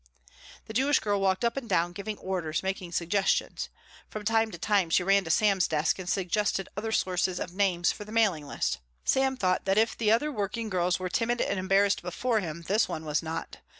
The Jewish girl walked up and down, giving orders, making suggestions. From time to time she ran to Sam's desk and suggested other sources of names for the mailing list. Sam thought that if the other working girls were timid and embarrassed before him this one was not.